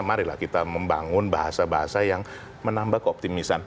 marilah kita membangun bahasa bahasa yang menambah keoptimisan